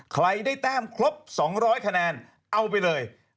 ใครได้แต้มครบ๒๐๐คะแนนเอาไปเลย